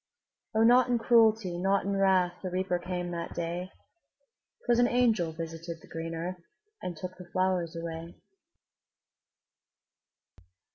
O, not in cruelty, not in wrath, The Reaper came that day; 'Twas an angel visited the green earth, And took the flowers away.